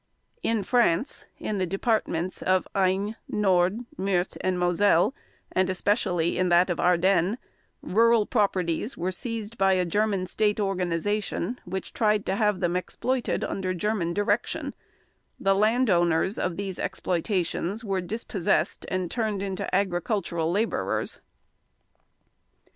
In France in the Departments of Aisne, Nord, Meurthe and Moselle, and especially in that of Ardennes, rural properties were seized by a German state organization which tried to have them exploited under German direction; the landowners of these exploitations were dispossessed and turned into agricultural laborers.